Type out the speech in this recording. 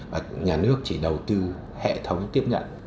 và nhà nước chỉ đầu tư hệ thống tiếp nhận